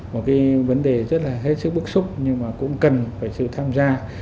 một cái vấn đề rất là hết sức bức xúc nhưng mà cũng cần phải sự tham gia